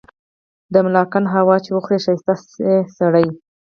د ملاکنډ هوا چي وخوري ښايسته شی سړے